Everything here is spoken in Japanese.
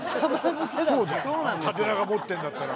縦長持ってんだったら。